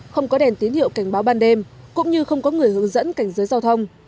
không có đèn tín hiệu cảnh báo ban đêm cũng như không có người hướng dẫn cảnh giới giao thông